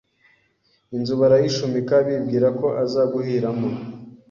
inzu barayishumika bibwira ko aza guhiramo